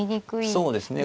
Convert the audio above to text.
そうですね。